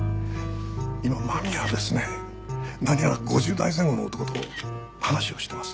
今間宮はですね何やら５０代前後の男と話をしてます。